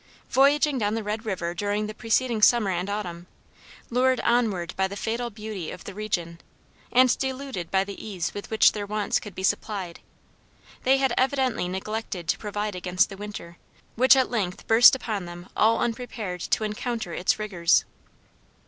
Voyaging down the Red river during the preceding summer and autumn; lured onward by the fatal beauty of the region, and deluded by the ease with which their wants could be supplied, they had evidently neglected to provide against the winter, which at length burst upon them all unprepared to encounter its rigors.